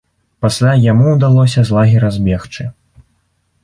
Пасля яму ўдалося з лагера збегчы.